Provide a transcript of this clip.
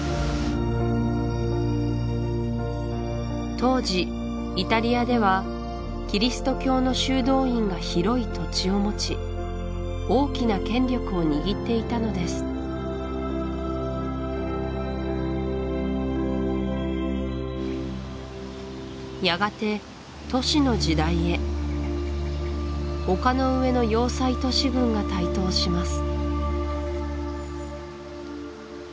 当時イタリアではキリスト教の修道院が広い土地を持ち大きな権力を握っていたのですやがて都市の時代へ丘の上の要塞都市群が台頭します